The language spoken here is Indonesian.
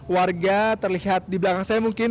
warga terlihat di belakang saya mungkin